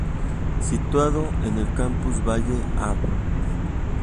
Situado en el Campus Valle, Av.